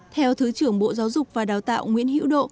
theo thứ trưởng bộ giáo dục và đào tạo nguyễn hữu độ